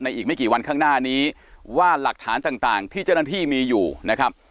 อีกไม่กี่วันข้างหน้านี้ว่าหลักฐานต่างที่เจ้าหน้าที่มีอยู่นะครับ